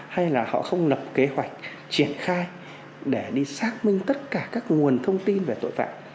hay là họ không lập kế hoạch triển khai để đi xác minh tất cả các nguồn thông tin về tội phạm